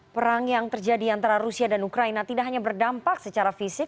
perang yang terjadi antara rusia dan ukraina tidak hanya berdampak secara fisik